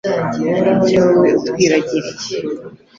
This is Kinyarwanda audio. Uhoraho ni wowe utwiragiriye